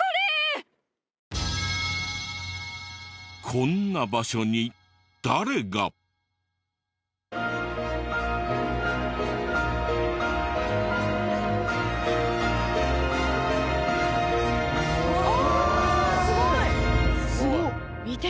こんな場所に誰が？うわすごい！